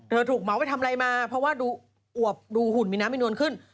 ถูกเหมาไปทำอะไรมาเพราะว่าดูอวบดูหุ่นมีน้ำมีนวลขึ้น